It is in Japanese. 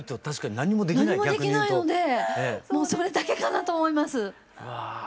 何もできないのでもうそれだけかなと思います。